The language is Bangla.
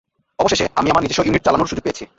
অবশেষে, আমি আমার নিজস্ব ইউনিট চালানোর সুযোগ পেয়েছি।